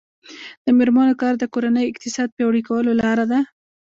د میرمنو کار د کورنۍ اقتصاد پیاوړی کولو لاره ده.